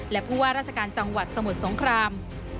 และผู้ว่าราชการจังหวัดสมุทรสงคราม